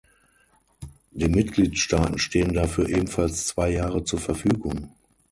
Den Mitgliedstaaten stehen dafür ebenfalls zwei Jahre zur Verfügung.